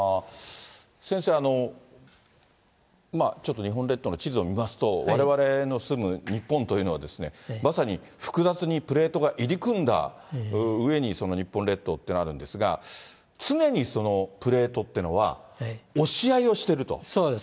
先生、日本列島の地図を見ますと、われわれの住む日本というのは、まさに複雑にプレートが入り組んだ上に、日本列島っていうのはあるんですが、常にプレートっていうのは、押し合いをしているとそうです。